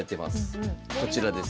こちらです。